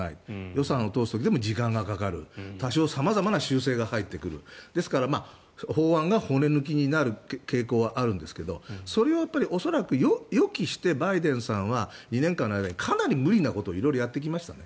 予算を通す時でも時間がかかる様々な修正が入ってくるですから、法案が骨抜きになる傾向はあるんですがそれは恐らく予期してバイデンさんは２年間の間にかなり無理なことを色々やってきました。